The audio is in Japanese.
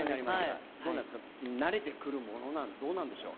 どうですか、慣れてくるものどうなんでしょう。